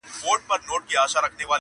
د عذاب علت یې کش کړ په مشوکي.!